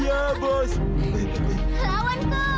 kamu kan hebat